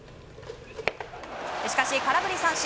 しかし、空振り三振。